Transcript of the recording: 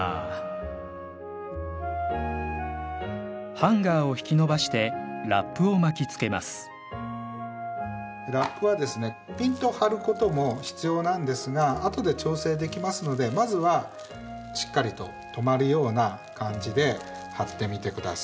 ハンガーを引きのばしてラップを巻きつけますラップはですねぴんと張ることも必要なんですがあとで調整できますのでまずはしっかりと留まるような感じで張ってみてください。